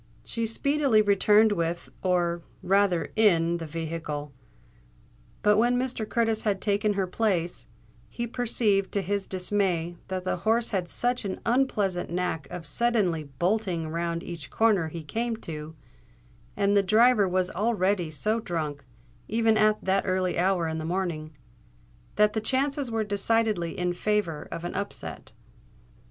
She speedily returned with, or rather in the vehicle; but when Mr. Curtis had taken her place, he perceived to his dismay that the horse had such an unpleasant knack of suddenly bolting round each corner he came to, and the driver was already so drunk, even at that early hour in the morning, that the chances were decidedly in favour of an upset.